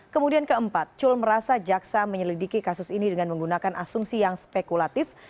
kemudian keempat cul merasa jaksa menyelidiki kasus ini dengan menggunakan asumsi yang spekulatif